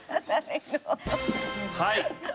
はい。